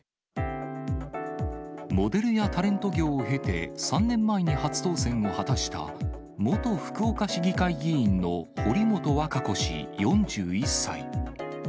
モデルやタレント業を経て、３年前に初当選を果たした、元福岡市議会議員の堀本和歌子氏４１歳。